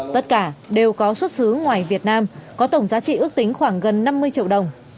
tất cả đều có xuất xứ ngoài việt nam có tổng giá trị ước tính khoảng gần năm mươi triệu đồng